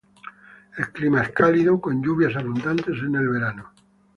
El clima es cálido, con lluvias abundantes en el verano.